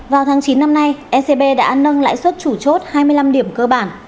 vào tháng chín năm nay ecb đã nâng lãi suất chủ chốt hai mươi năm điểm cơ bản